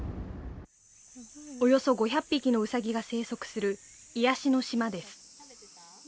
およそ５００匹のウサギが生息する癒やしの島です